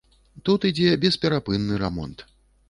Тут ідзе бесперапынны рамонт.